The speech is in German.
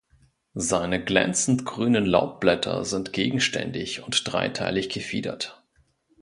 Seine glänzend grünen Laubblätter sind gegenständig und dreiteilig gefiedert.